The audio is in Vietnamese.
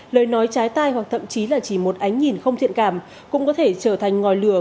lời nói trái tai hoặc thậm chí là chỉ một ánh nhìn không thiện cảm cũng có thể trở thành ngòi lửa